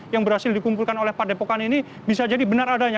yang berhasil dikumpulkan oleh padepokan ini bisa jadi benar adanya